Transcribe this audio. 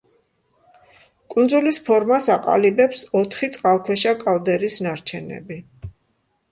კუნძულის ფორმას აყალიბებს ოთხი წყალქვეშა კალდერის ნარჩენები.